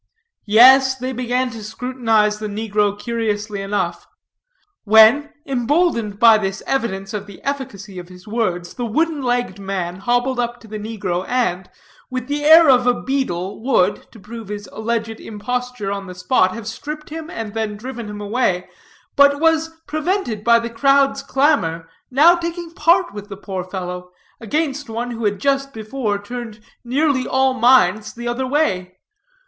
Yes, they began to scrutinize the negro curiously enough; when, emboldened by this evidence of the efficacy of his words, the wooden legged man hobbled up to the negro, and, with the air of a beadle, would, to prove his alleged imposture on the spot, have stripped him and then driven him away, but was prevented by the crowd's clamor, now taking part with the poor fellow, against one who had just before turned nearly all minds the other way.